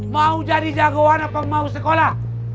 mau jadi jagoan apa mau sekolah